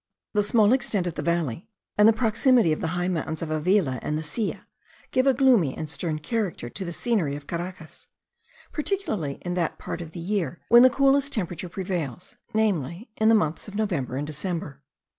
The small extent of the valley, and the proximity of the high mountains of Avila and the Silla, give a gloomy and stern character to the scenery of Caracas; particularly in that part of the year when the coolest temperature prevails, namely, in the months of November and December.